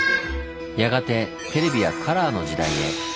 やがてテレビはカラーの時代へ。